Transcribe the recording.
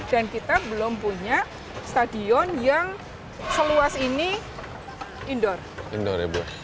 dan kita belum punya stadion yang seluas ini indoor